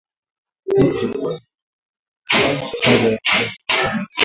Hii ilikua idhaa ya kwanza ya lugha ya Kiafrika